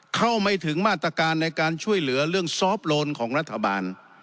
เข้าไม่ถึงมาตรการในการช่วยเหลือเรื่องซอฟต์โลนของรัฐบาล